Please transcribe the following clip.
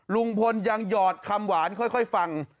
ลุงพลยังหยอดคำหวานค่อยฟัง